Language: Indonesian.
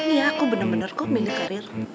iya aku bener bener kok milih karir